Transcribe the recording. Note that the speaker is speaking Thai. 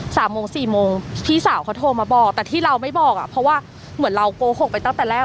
สามโมงสี่โมงพี่สาวเขาโทรมาบอกแต่ที่เราไม่บอกอ่ะเพราะว่าเหมือนเราโกหกไปตั้งแต่แรก